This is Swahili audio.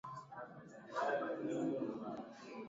Nazareti kijiji alikokulia au mwana wa Yosefu mchonga samani